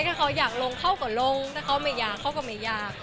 ถ้าเขาอยากลงเขาก็ลงถ้าเขาไม่อยากเขาก็ไม่อยาก